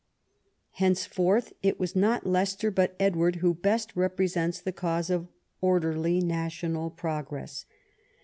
Henceforth it was not Leicester but Edward who best represents the cause of orderly national progress.